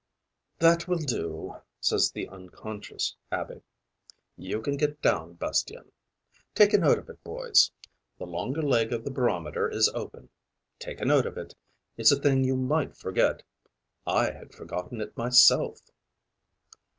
'That will do,' says the unconscious abbe. 'You can get down, Bastien. Take a note of it, boys: the longer leg of the barometer is open; take a note of it. It's a thing you might forget; I had forgotten it myself.'